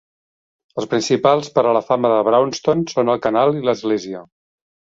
Els principals per a la fama de Braunston són el canal i l'església.